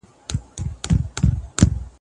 له ګنجي سره را ستون تر خپل دوکان سو